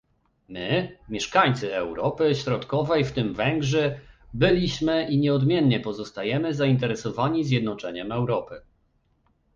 My, mieszkańcy Europy Środkowej, w tym Węgrzy, byliśmy i nieodmiennie pozostajemy zainteresowani zjednoczeniem Europy